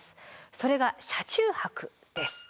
それが車中泊です。